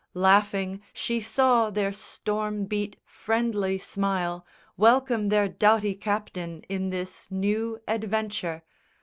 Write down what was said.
Laughing she saw their storm beat friendly smile Welcome their doughty captain in this new Adventure.